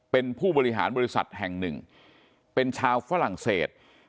เป็นผู้บริหารบริษัทแห่งหนึ่งเป็นชาวฝรั่งเศส